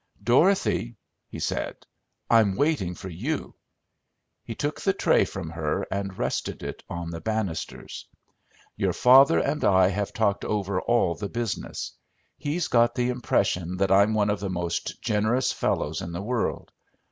"Dorothy," he said, "I'm waiting for you." He took the tray from her and rested it on the banisters. "Your father and I have talked over all the business. He's got the impression that I'm one of the most generous fellows in the world.